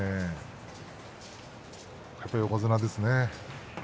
やっぱり横綱ですね。